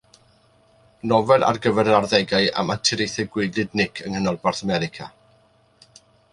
Nofel ar gyfer yr arddegau am anturiaethau gwaedlyd Nic yng nghanolbarth America.